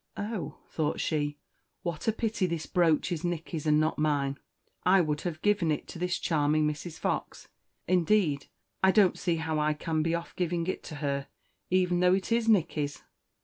"Oh!" thought she, "what a pity this brooch is Nicky's, and not mine; I would have given it to this charming Mrs. Fox. Indeed, I don't see how I can be off giving it to her, even although it is Nicky's."